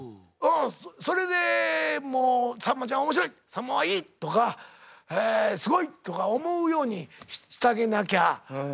それでもう「さんまちゃん面白い」「さんまはいい」とか「すごい」とか思うようにしたげなきゃ俺がつらい。